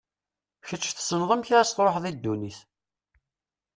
Kečč tessneḍ amek ad as-tṛuḥeḍ i ddunit.